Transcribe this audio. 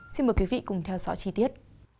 xin mời quý vị cùng theo dõi chi tiết